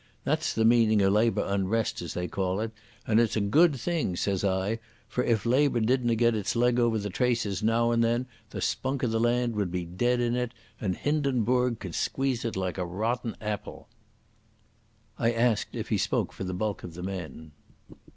That's the meaning o' Labour unrest, as they call it, and it's a good thing, says I, for if Labour didna get its leg over the traces now and then, the spunk o' the land would be dead in it, and Hindenburg could squeeze it like a rotten aipple." I asked if he spoke for the bulk of the men.